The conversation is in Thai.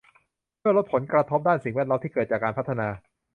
เพื่อลดผลกระทบด้านสิ่งแวดล้อมที่เกิดจากการพัฒนา